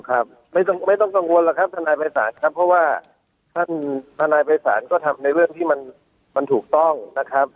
ครับไม่ต้องกังวลหรอกครับทนายภัยศาลครับเพราะว่าท่านทนายภัยศาลก็ทำในเรื่องที่มันถูกต้องนะครับ